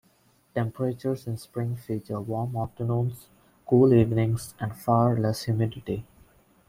Temperatures in spring feature warm afternoons, cool evenings, and far less humidity.